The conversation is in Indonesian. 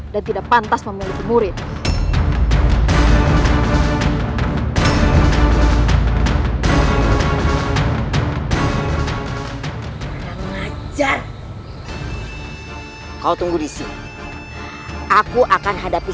dan tidak pantas memilih kubur ini